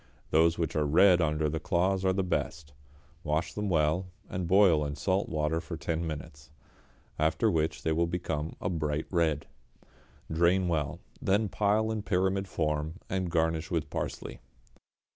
Those which are red under the claws are the best. Wash them well, and boil in salt water for ten minutes, after which they will become a bright red. Drain well, then pile in pyramid form, and garnish with parsley.